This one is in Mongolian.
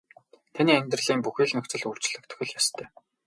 Таны амьдралын бүхий л нөхцөл өөрчлөгдөх л ёстой.